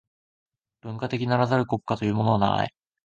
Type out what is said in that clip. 文化的ならざる国家というものはない。